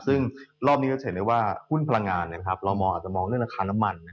ซึ่งรอบนี้ก็จะเห็นได้ว่าหุ้นพลังงานเรามองอาจจะมองเรื่องราคาน้ำมัน